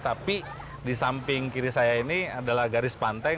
tapi di samping kiri saya ini adalah garis pantai